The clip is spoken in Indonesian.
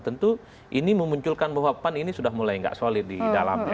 tentu ini memunculkan bahwa pan ini sudah mulai tidak solid di dalamnya